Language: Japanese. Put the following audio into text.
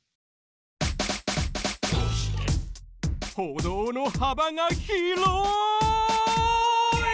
歩道の幅が広い！